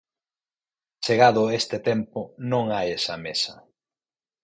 Chegado este tempo, non hai esa mesa.